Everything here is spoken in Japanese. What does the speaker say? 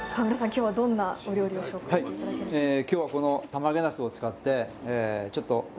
今日はどんなお料理を紹介して頂けるんですか？